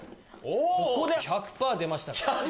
１００％出ました。